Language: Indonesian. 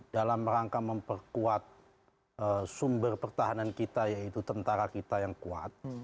dalam rangka memperkuat sumber pertahanan kita yaitu tentara kita yang kuat